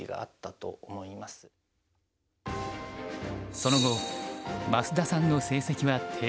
その後増田さんの成績は低迷。